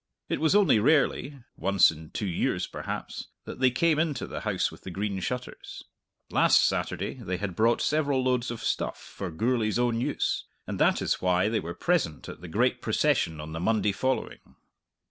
It was only rarely once in two years, perhaps that they came into the House with the Green Shutters. Last Saturday they had brought several loads of stuff for Gourlay's own use, and that is why they were present at the great procession on the Monday following.